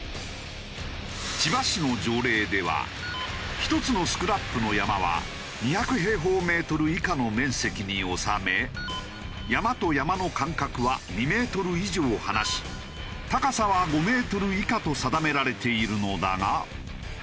千葉市の条例では１つのスクラップの山は２００平方メートル以下の面積に収め山と山の間隔は２メートル以上離し高さは５メートル以下と定められているのだが。